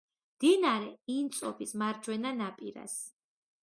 მდინარე ინწობის მარჯვენა ნაპირას.